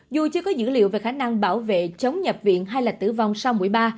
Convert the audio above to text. dù chưa có dữ liệu về khả năng bảo vệ chống nhập viện hay là tử vong sau mũi ba